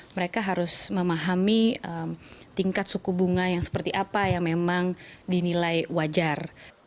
mereka harus memahami tingkat suku bunga yang seperti apa yang memang dinilai wajar